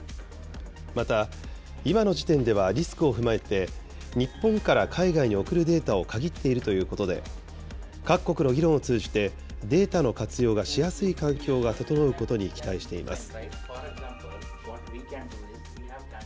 また、今の時点ではリスクを踏まえて、日本から海外に送るデータを限っているということで、各国の議論を通じて、データの活用がしやすい環境が整うことに期待しています。